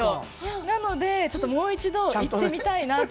なので、ちょっともう一度行ってみたいなと。